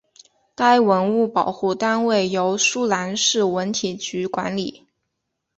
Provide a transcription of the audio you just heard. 该文物保护单位由舒兰市文体局管理。